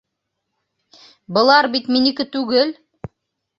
Былар бит минеке түгел!